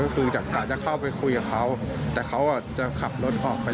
ก็แบบฟ้าอะไรได้